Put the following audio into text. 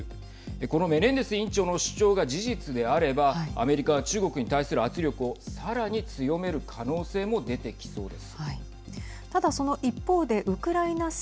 このメネンデス委員長の主張が事実であればアメリカは中国に対する圧力をさらに強める可能性も出てきそうです。